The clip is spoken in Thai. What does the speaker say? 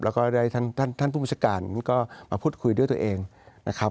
แล้วก็ได้ท่านผู้บัญชาการก็มาพูดคุยด้วยตัวเองนะครับ